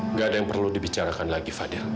nggak ada yang perlu dibicarakan lagi fadil